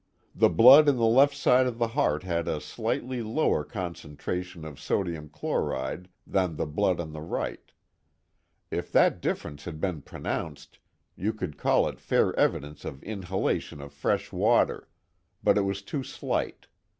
The blood in the left side of the heart had a slightly lower concentration of sodium chloride than the blood on the right. If that difference had been pronounced, you could call it fair evidence of inhalation of fresh water, but it was too slight.